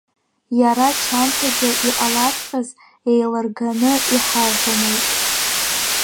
Иара Чанҭагьы иҟалаҵәҟьаз еилырганы иҳаиҳәомеи!